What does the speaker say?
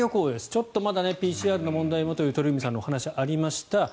ちょっとまだＰＣＲの問題もという鳥海さんのお話もありました。